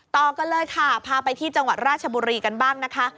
ต่อกันเลยค่ะพาไปที่จังหวัดราชบุรีกันบ้างนะคะ